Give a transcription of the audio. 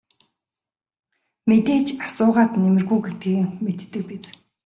Мэдээж асуугаад нэмэргүй гэдгийг нь мэддэг биз.